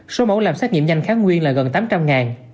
số mẫu làm xét nghiệm nhanh kháng nguyên là gần tám trăm linh